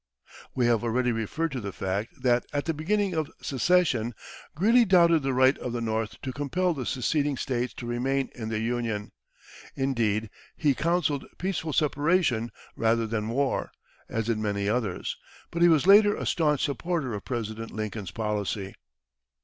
We have already referred to the fact that, at the beginning of secession, Greeley doubted the right of the North to compel the seceding states to remain in the Union. Indeed, he counselled peaceful separation rather than war, as did many others, but he was later a staunch supporter of President Lincoln's policy.